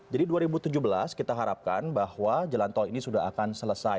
jadi dua ribu tujuh belas kita harapkan bahwa jalan tol ini sudah akan selesai